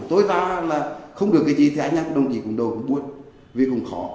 tôi ra là không được cái gì thì anh em đồng chí cùng đồ cùng buôn vì cũng khó